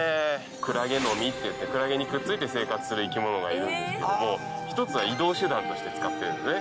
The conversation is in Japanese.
クラゲノミっていってクラゲにくっついて生活する生き物がいるんですけど一つは移動手段として使ってるんですね。